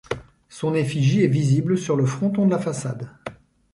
Son effigie est visible sur le fronton de la façade.